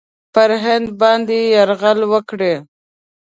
پر هند باندي یرغل وکړي.